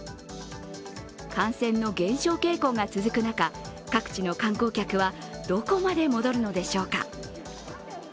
感染の減少傾向が続く中各地の観光客はどこまで戻るのでしょうか。